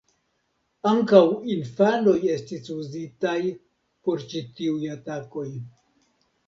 Ankaŭ infanoj estis uzitaj por ĉi tiuj atakoj.